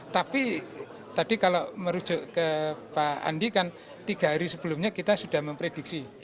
tapi tadi kalau merujuk ke pak andi kan tiga hari sebelumnya kita sudah memprediksi